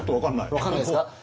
分かんないですか。